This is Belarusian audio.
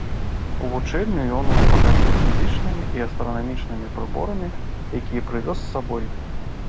Вучэльню ён узбагаціў фізічнымі і астранамічнымі прыборамі, якія прывёз з сабой.